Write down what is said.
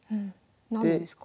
何でですか？